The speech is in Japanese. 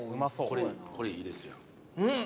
これいいですやん。